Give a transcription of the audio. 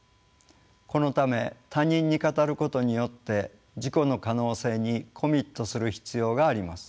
このため他人に語ることによって自己の可能性にコミットする必要があります。